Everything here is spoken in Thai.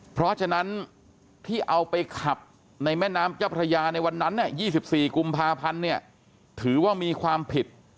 เพราะฉะนั้นที่เอาไปขับในแม่น้ำเจ้าพระยาในวันนั้น๒๔กุมภาพันธ์ถือว่ามีความผิด